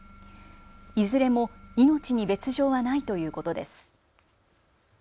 いずれも命に別状はないということです。